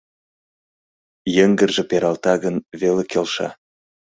Йыҥгырже пералта гын, веле келша.